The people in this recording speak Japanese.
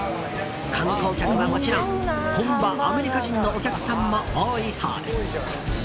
観光客はもちろん本場のアメリカ人のお客さんも多いそうです。